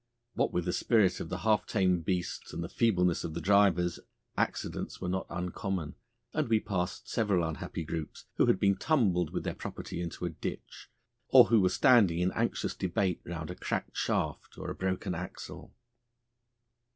What with the spirit of the half tamed beasts and the feebleness of the drivers, accidents were not uncommon, and we passed several unhappy groups who had been tumbled with their property into a ditch, or who were standing in anxious debate round a cracked shaft or a broken axle.